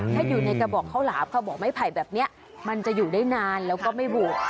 ถ้าอยู่ในกระบอกข้าวหลามเขาบอกไม้ไผ่แบบนี้มันจะอยู่ได้นานแล้วก็ไม่บวก